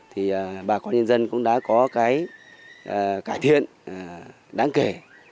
thì bà con nhân dân cũng đã có cái cải thiện đáng kể